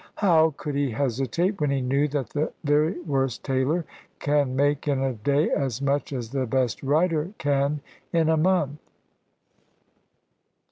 How could he hesitate, when he knew that the very worst tailor can make in a day as much as the best writer can in a month?